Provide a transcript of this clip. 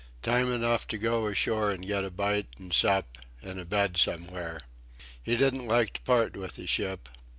Time enough to go ashore and get a bite and sup, and a bed somewhere. He didn't like to part with a ship.